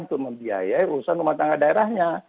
untuk membiayai urusan rumah tangga daerahnya